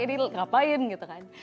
jadi ngapain gitu kan